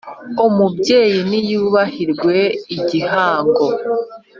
Umubyeyi ni yubahirwe igihango